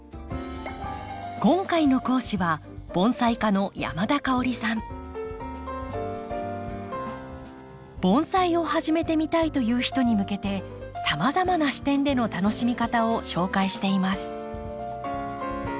今回の講師は盆栽を始めてみたいという人に向けてさまざまな視点での楽しみ方を紹介しています。